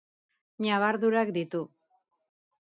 Ñabardurak ditu.